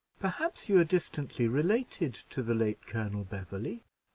"Perhaps you are distantly related to the late Colonel Beverley."